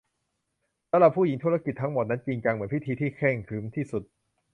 สำหรับผู้หญิงธุรกิจทั้งหมดนั้นจริงจังเหมือนพิธีที่เคร่งขรึมที่สุด